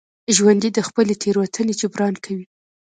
ژوندي د خپلې تېروتنې جبران کوي